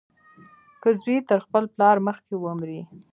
که زوى تر خپل پلار مخکې ومري.